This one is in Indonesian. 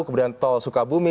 kemudian tol sukabumi